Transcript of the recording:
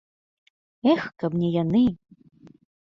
Эх, каб не яны!